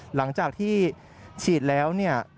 หลังจากที่ฉีดแล้ว